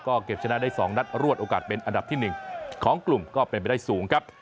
ก็เก็บชนะได้๒นัดรวดโอกาสเป็นอันดับที่๑ของกลุ่มก็เป็นไปได้สูงครับ